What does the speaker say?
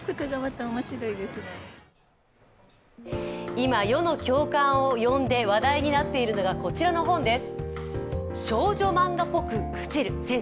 今、世の共感を呼んで話題になっているのがこちらの本です。